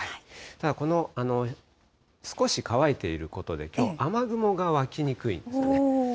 ただこの、少し乾いていることで、きょう、雨雲が湧きにくいんですよね。